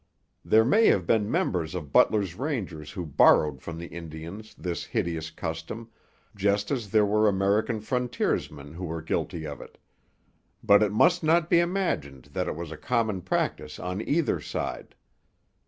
There may have been members of Butler's Rangers who borrowed from the Indians this hideous custom, just as there were American frontiersmen who were guilty of it; but it must not be imagined that it was a common practice on either side.